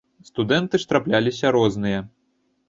Студэнты ж трапляліся розныя.